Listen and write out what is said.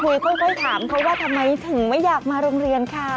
ค่อยถามเขาว่าทำไมถึงไม่อยากมาโรงเรียนค่ะ